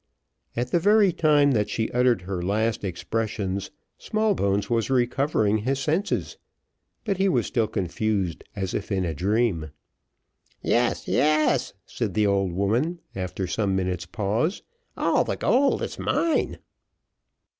At the very time that she uttered her last expressions, Smallbones was recovering his senses, but he was still confused, as if in a dream. "Yes, yes," said the old woman, after some minutes' pause, "all the gold is mine."